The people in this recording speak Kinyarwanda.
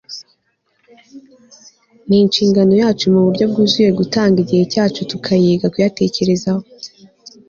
ni inshingano yacu mu buryo bwuzuye gutanga igihe cyacu tukayiga tuyatekerezaho